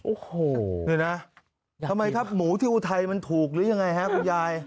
โอ้โหนี่นะทำไมครับหมูที่อุทัยมันถูกหรือยังไงฮะคุณยาย